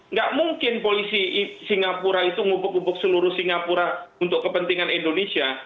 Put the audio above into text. nggak mungkin polisi singapura itu ngubuk ngubuk seluruh singapura untuk kepentingan indonesia